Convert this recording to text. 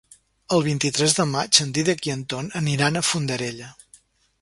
El vint-i-tres de maig en Dídac i en Ton aniran a Fondarella.